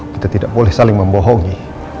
kita tidak boleh saling membohongi